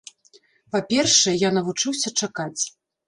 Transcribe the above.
Па-першае, я навучыўся чакаць.